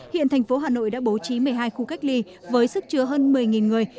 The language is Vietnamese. hiện thành phố hà nội đã bố trí một mươi hai khu cách ly với sức chứa hơn một mươi người